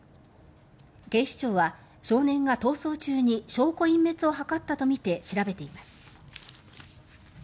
警視庁は少年が逃走中に証拠隠滅を図ったとみて調べています。